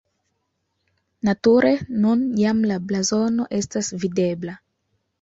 Nature nun jam la blazono estas videbla.